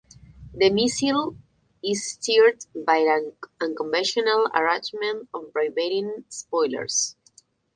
The missile is steered by an unconventional arrangement of vibrating spoilers.